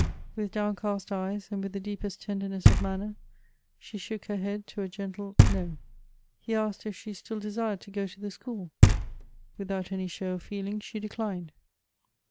With downcast eyes and with the deepest tenderness of manner she shook her head to a gentle No. He asked if she still desired to go to the school. Without any show of feeling she declined.